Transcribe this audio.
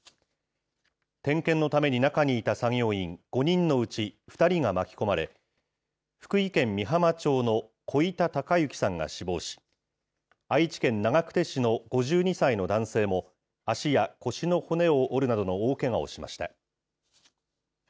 点検のために中にいた作業員５人のうち２人が巻き込まれ、福井県美浜町の小板孝幸さんが死亡し、愛知県長久手市の５２歳の男性も、足や腰の骨を折るなどの大けがをしました。